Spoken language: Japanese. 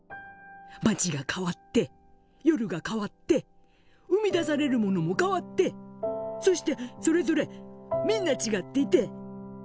街が変わって夜が変わって生み出されるものも変わってそしてそれぞれみんな違っていて。